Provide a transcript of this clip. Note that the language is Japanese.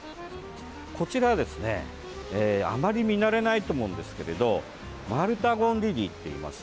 こちらはですね、あまり見慣れないと思うんですけれどマルタゴンリリーっていいます。